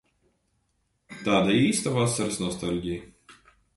Tāda īsta vasaras nostaļģija.